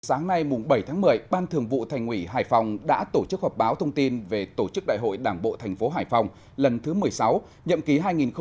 sáng nay bảy tháng một mươi ban thường vụ thành ủy hải phòng đã tổ chức họp báo thông tin về tổ chức đại hội đảng bộ thành phố hải phòng lần thứ một mươi sáu nhậm ký hai nghìn hai mươi hai nghìn hai mươi năm